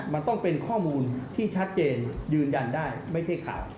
มันต้องเป็นข้อมูลที่ชัดเจนยืนยันได้ไม่ใช่ข่าว